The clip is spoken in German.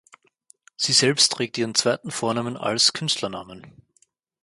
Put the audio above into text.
Sie selbst trägt ihren zweiten Vornamen als Künstlernamen.